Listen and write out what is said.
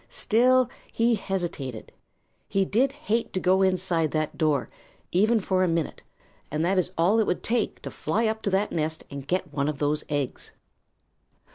Still he hesitated. He did hate to go inside that door, even for a minute, and that is all it would take to fly up to that nest and get one of those eggs.